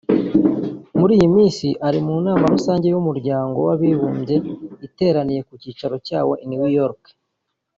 muri iyi minsi ari mu nama rusange y’Umuryango w’Abibumbye iteraniye ku cyicaro cyawo i New York